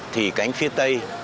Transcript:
thì cánh phía tây